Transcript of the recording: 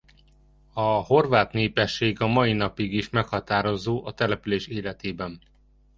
A horvát népesség a mai napig is meghatározó a település életében.